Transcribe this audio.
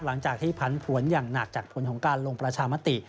หลังจากที่ผันผวนอย่างหนักจากผลของการลงประชามติ